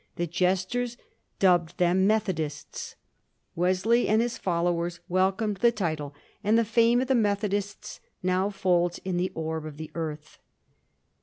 The jesters dubbed them Methodists ; Wesley and his friends welcomed the title; and the fame of the Methodists now folds in the orb of the earth.